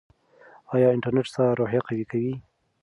ایا انټرنیټ ستا روحیه قوي کوي؟